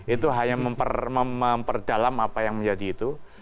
itu hanya memperdalam apa yang menjadi itu